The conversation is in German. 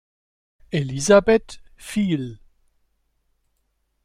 Elisabeth fiel.